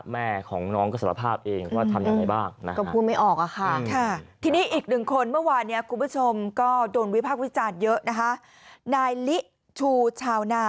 แม่ของน้องก็สารภาพเองก็ทำอย่างไรบ้าง